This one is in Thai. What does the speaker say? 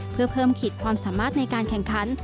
เพื่อเพิ่มขีดความสามารถในการแข่งขัน